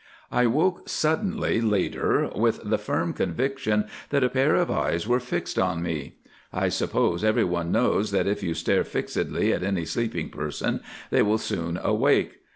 "I woke suddenly, later, with the firm conviction that a pair of eyes were fixed on me. I suppose everyone knows that if you stare fixedly at any sleeping person, they will soon awake.